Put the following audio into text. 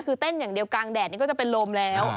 คือเต้นอย่างเดียวกลางแดดนี่ก็จะเป็นลมแล้ว